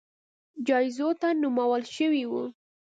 جایزو ته نومول شوي وو